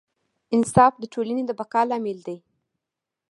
انصاف د ټولنې د بقا لامل دی.